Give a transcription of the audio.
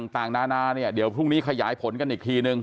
ต่างนานาเนี่ยเดี๋ยวพรุ่งนี้ขยายผลกันอีกทีนึง